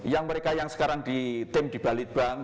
yang mereka yang sekarang di tim di balitbank